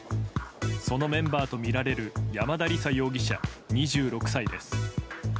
そのメンバーとみられる山田李沙容疑者、２６歳です。